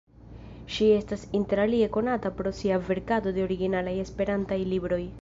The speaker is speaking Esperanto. Ŝi estas interalie konata pro sia verkado de originalaj esperantaj libroj.